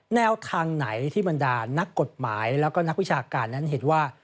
แนวทางไหนที่บรรดานักกฎหมายแล้วก็นักวิชาการนั้นเห็นว่า